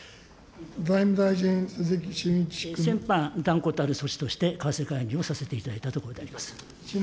財務大臣、先般、断固たる措置として、為替介入をさせていただいたところであります。